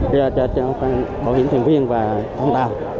bảo hiểm thiền viên và tàu